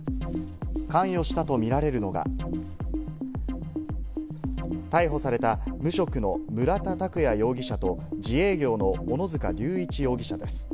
関与したとみられるのが逮捕された無職の村田拓也容疑者と、自営業の小野塚隆一容疑者です。